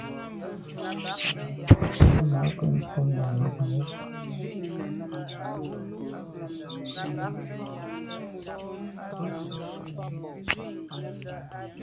Ntsenyà nke ntum num miag mube.